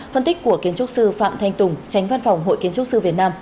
phân tích của kiến trúc sư phạm thanh tùng tránh văn phòng hội kiến trúc sư việt nam